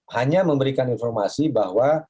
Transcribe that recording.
hanya memberikan informasi bahwa